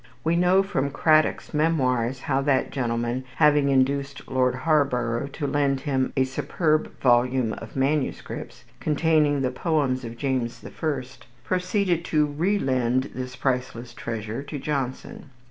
We know from Cradock's "Memoirs" how that gentleman, having induced Lord Harborough to lend him a superb volume of manuscripts, containing the poems of James the First, proceeded to re lend this priceless treasure to Johnson.